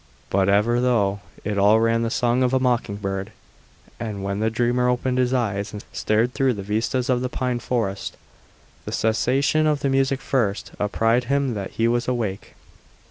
But ever through it all ran the song of the mocking bird, and when the dreamer opened his eyes and stared through the vistas of the pine forest the cessation of its music first apprised him that he was awake.